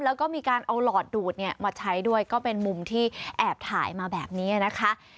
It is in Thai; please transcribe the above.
แล้วก็มีการเอาหลอดดูดเนี่ยมาใช้ด้วยก็เป็นมุมที่แอบถ่ายมาแบบนี้นะคะ